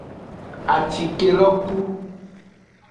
Acike lo ku.